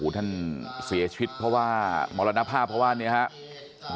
ท่านเสียชีวิตเพราะว่ามรณภาพเพราะว่าเนี่ยครับ